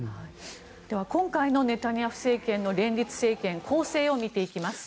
では、今回のネタニヤフ政権の連立政権構成を見ていきます。